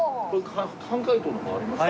半解凍のもありますか？